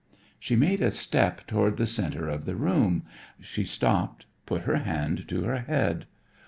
She made a step toward the center of the room. She stopped, put her hand to her head.